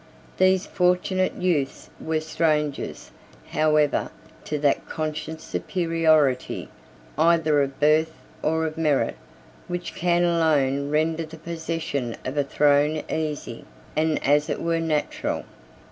These fortunate youths were strangers, however, to that conscious superiority, either of birth or of merit, which can alone render the possession of a throne easy, and, as it were, natural.